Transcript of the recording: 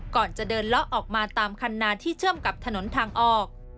ก่อนจะเดินเลาะออกมาตามคันนาที่เชื่อมกับถนนทางออก